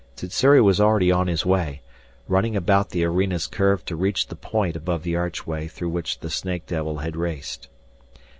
Sssuri was already on his way, running about the arena's curve to reach the point above the archway through which the snake devil had raced.